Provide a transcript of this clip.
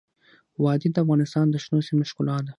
وادي د افغانستان د شنو سیمو ښکلا ده.